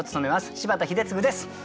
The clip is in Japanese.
柴田英嗣です。